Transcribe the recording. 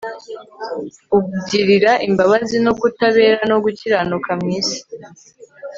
ugirira imbabazi no kutabera no gukiranuka mu isi